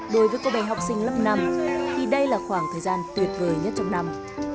đối với cô bé học sinh lớp năm thì đây là khoảng thời gian tuyệt vời nhất trong năm